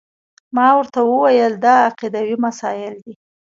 ما ورته وویل دا عقیدوي مسایل دي.